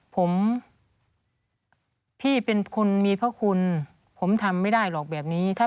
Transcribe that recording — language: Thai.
ผมพี่เป็นคนมีพระคุณผมทำไม่ได้หรอกแบบนี้